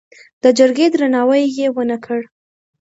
د جرګې درناوی یې ونه کړ.